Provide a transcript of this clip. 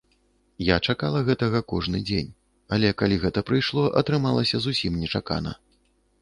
Я чакала гэтага кожны дзень, але калі гэта прыйшло, атрымалася зусім нечакана.